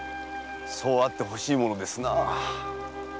そうあってほしいものですな。